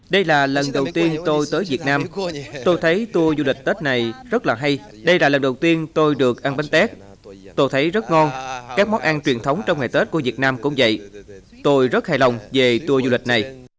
đây là lần đầu tiên tôi tới việt nam tôi thấy tour du lịch tết này rất là hay đây là lần đầu tiên tôi được ăn bánh tết tôi thấy rất ngon các món ăn truyền thống trong ngày tết của việt nam cũng vậy tôi rất hài lòng về tour du lịch này